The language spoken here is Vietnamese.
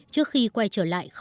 trước khi quay trở lại